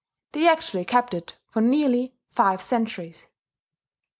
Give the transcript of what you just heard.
They actually kept it for nearly five centuries.